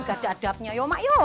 gak ada adabnya ya mak yuk